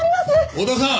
小田さん！